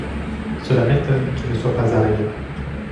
Cela m’étonne qu’il ne soit pas arrivé.